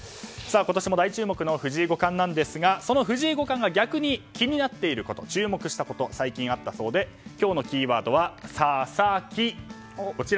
今年も大注目の藤井五冠ですがその藤井五冠が逆に気になっていること注目したことが最近あったそうで今日のキーワードはササキ。